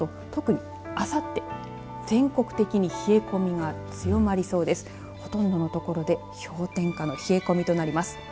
ほとんどの所で氷点下の冷え込みとなります。